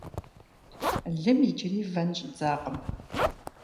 Лым иджыри вэн щӀидзакъым.